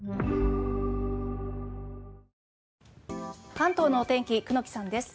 関東のお天気久能木さんです。